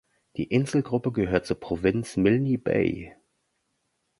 Die Inselgruppe gehört zur Provinz Milne Bay.